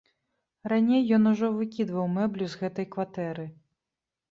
Раней ён ужо выкідваў мэблю з гэтай кватэры.